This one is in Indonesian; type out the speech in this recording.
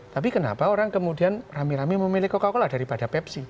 tapi kenapa orang kemudian rame rame memilih coca cola daripada pepsi